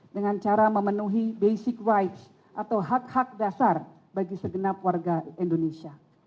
dengan cara memenuhi basic rights atau hak hak dasar bagi segenap warga indonesia